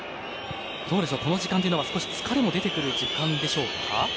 この時間というのは少し疲れも出てくる時間でしょうか。